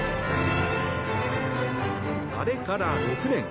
あれから６年。